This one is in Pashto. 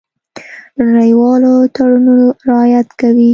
د نړیوالو تړونونو رعایت کوي.